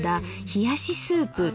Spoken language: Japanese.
「冷しスープ」。